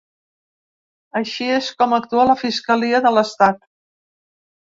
Així és com actua la fiscalia de l’estat.